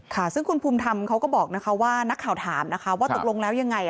ค่ะซึ่งคุณภูมิธรรมเขาก็บอกนะคะว่านักข่าวถามนะคะว่าตกลงแล้วยังไง